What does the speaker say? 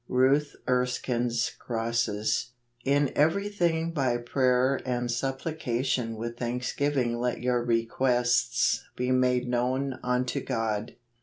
Ruth Erskine's Crosses. " In everything by prayer and supplication with thanksgiving let your requests be made known unto God."